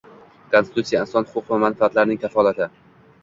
Konstitutsiya – inson huquq va manfaatlarining kafolati